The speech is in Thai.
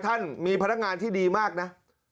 ท่านมีพนักงานที่ดีมากนะ